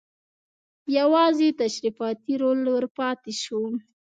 یوازې تشریفاتي رول ور پاتې شو.